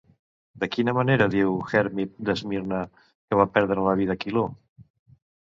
De quina manera diu Hermip d'Esmirna que va perdre la vida Quiló?